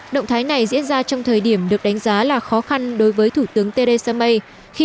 động thái này diễn ra trong thời điểm được đánh giá là khó khăn đối với thủ tướng theresa may khi